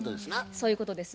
そういうことです。